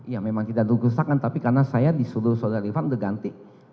ya memang tidak digusahkan tapi karena saya disuruh saudarifan diganti